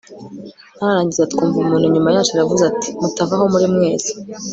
ntararangiza twumva umuntu inyuma yacu aravuze ati mutava aho muri mwese